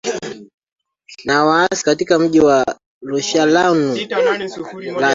na waasi katika mji wa rashlanur